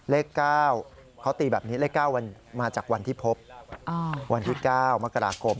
เลข๙เขาตีแบบนี้เลข๙มาจากวันที่พบวันที่๙มกราคม